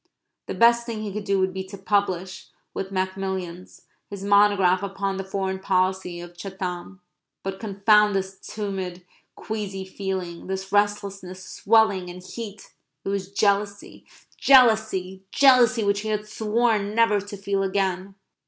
The best thing he could do would be to publish, with Macmillans, his monograph upon the foreign policy of Chatham. But confound this tumid, queasy feeling this restlessness, swelling, and heat it was jealousy! jealousy! jealousy! which he had sworn never to feel again.